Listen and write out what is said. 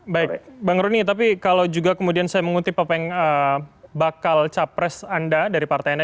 baik bang rony tapi kalau juga kemudian saya mengutip apa yang bakal capres anda dari partai anda